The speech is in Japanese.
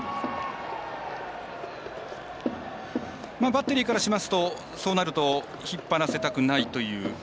バッテリーからしますとそうなると引っ張らせたくないという。